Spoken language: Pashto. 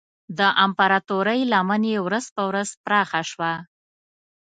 د امپراتورۍ لمن یې ورځ په ورځ پراخه شوه.